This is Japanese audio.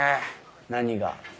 何が？